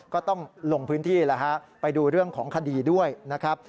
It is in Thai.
ก็ต้องลงพื้นที่แล้วฮะไปดูเรื่องของคดีด้วยนะครับ